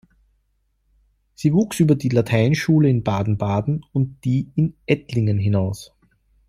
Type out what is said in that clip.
Sie wuchs über die Lateinschule in Baden-Baden und die in Ettlingen hinaus.